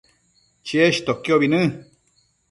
cheshtoquiobi në